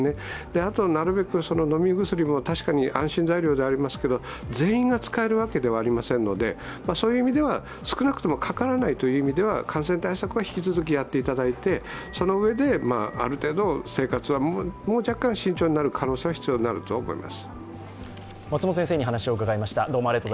あとなるべく、飲み薬も確かに安心材料ではありますけど、全員が使えるわけではありませんのでそういう意味では少なくともかからないという意味では感染対策は引き続きやっていただいて、そのうえである程度、生活は若干慎重になる必要はあると思います。